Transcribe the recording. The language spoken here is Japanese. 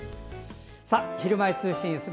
「ひるまえ通信ＳＰ」